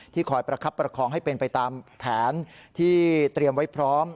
คอยประคับประคองให้เป็นไปตามแผนที่เตรียมไว้พร้อม